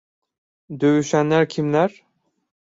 Dövüşenler kimler?